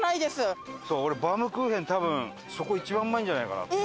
俺バウムクーヘン多分そこ一番うまいんじゃないかなと。